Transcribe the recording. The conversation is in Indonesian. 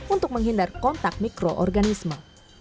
untuk menghindar kontak mikroorganisme